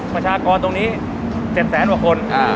ประชากรตรงนี้๗แสนกว่าคน